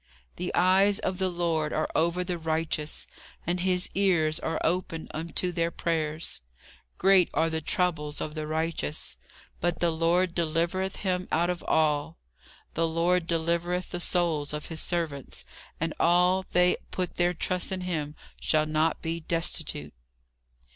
The eyes of the Lord are over the righteous: and his ears are open unto their prayers. Great are the troubles of the righteous; but the Lord delivereth him out of all. The Lord delivereth the souls of his servants: and all they that put their trust in him shall not be destitute."